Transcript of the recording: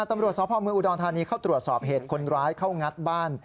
ตำรวจสพเมืองอุดรธานีเข้าตรวจสอบเหตุคนร้ายเข้างัดบ้าน